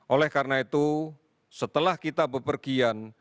oleh karena itu setelah kita bepergian